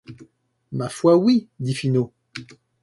Ma foi, oui, dit Finot.